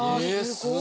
すごい！